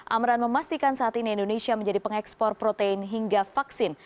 amran memastikan saat ini indonesia menjadi pengekspor protein hingga vaksin